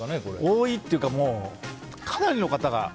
多いというか、かなりの方が。